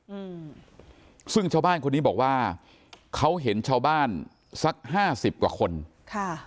อืมซึ่งชาวบ้านคนนี้บอกว่าเขาเห็นชาวบ้านสักห้าสิบกว่าคนค่ะ